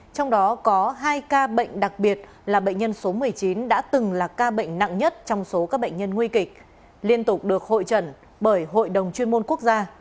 trong đó có hai ca bệnh đặc biệt là bệnh nhân số một mươi chín đã từng là ca bệnh nặng nhất trong số các bệnh nhân nguy kịch liên tục được hội trần bởi hội đồng chuyên môn quốc gia